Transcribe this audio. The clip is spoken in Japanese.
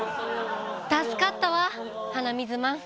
助かったわ鼻水マン。